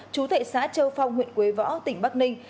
chú thệ xã châu phong huyện quế võ tỉnh bắc ninh